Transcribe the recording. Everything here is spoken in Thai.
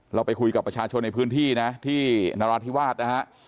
เราไปคุยกับประชาชนในพื้นที่นะที่นราธิวาสนะฮะ